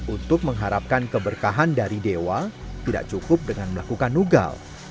untuk mengharapkan keberkahan dari dewa tidak cukup dengan melakukan nugal